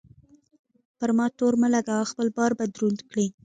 پر ما تور مه لګوه؛ خپل بار به دروند کړې.